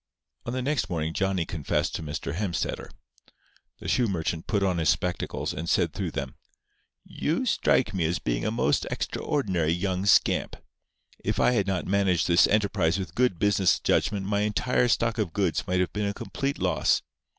On the next morning Johnny confessed to Mr. Hemstetter. The shoe merchant put on his spectacles, and said through them: "You strike me as being a most extraordinary young scamp. If I had not managed this enterprise with good business judgment my entire stock of goods might have been a complete loss.